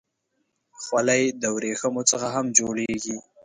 خولۍ د ورېښمو څخه هم جوړېږي.